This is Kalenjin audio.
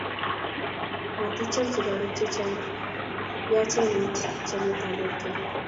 maticham sukaruk che chang', yachen eng' chamanetab borto